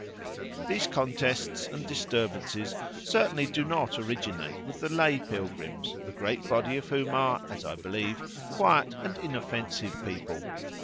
These contests and disturbances certainly do not originate with the lay pilgrims, the great body of whom are, as I believe, quiet and inoffensive people.